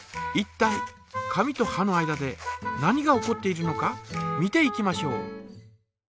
いったい紙とはの間で何が起こっているのか見ていきましょう。